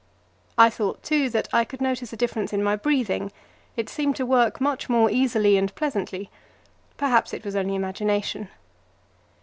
I thought, too, that I could notice a difference in my breathing; it seemed to work much more easily and pleasantly perhaps it was only imagination.